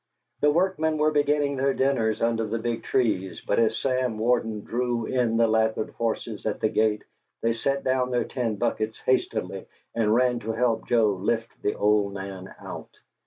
The workmen were beginning their dinners under the big trees, but as Sam Warden drew in the lathered horses at the gate, they set down their tin buckets hastily and ran to help Joe lift the old man out.